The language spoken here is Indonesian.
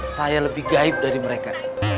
saya lebih gaib dari mereka